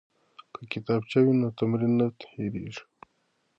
که کتابچه وي نو تمرین نه هیریږي.